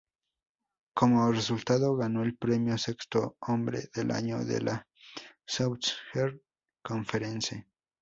Como resultado ganó el premio sexto hombre del año de la Southeastern Conference.